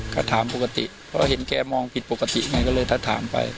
ก็ถามปกติเพราะเห็นแกมองผิดปกติไงก็เลยถ้าถามไป